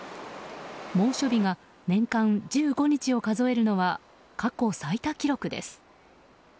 猛暑日が年間１５日を数えるのは過去最多記録です。